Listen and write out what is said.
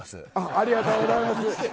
ありがとうございます。